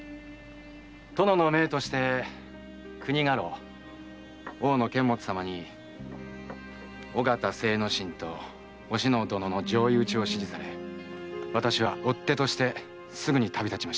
殿の命として国家老・大野様に尾形精之進とお篠殿の上意討ちを指示され私は追手としてすぐに旅立ちました。